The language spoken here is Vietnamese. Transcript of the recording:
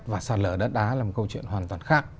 và sạt lở đất đá là một câu chuyện hoàn toàn khác